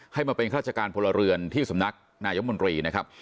ให้มาเป็นราชการพลเรือนที่สำนักนายมนตรีนะครับ